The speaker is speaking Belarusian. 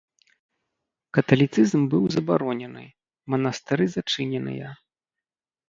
Каталіцызм быў забаронены, манастыры зачыненыя.